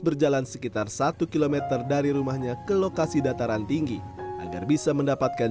berjalan sekitar satu km dari rumahnya ke lokasi dataran tinggi agar bisa mendapatkan